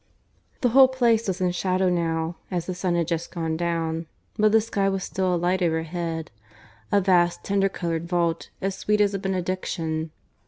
The whole Place was in shadow now, as the sun had just gone down, but the sky was still alight overhead, a vast tender coloured vault, as sweet as a benediction.